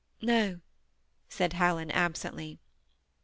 No," said Helen, absently.